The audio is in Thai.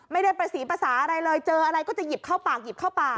ไม่ได้ประสีภาษาอะไรเลยเจออะไรก็จะหยิบเข้าปากหยิบเข้าปาก